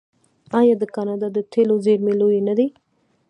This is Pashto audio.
آیا د کاناډا د تیلو زیرمې لویې نه دي؟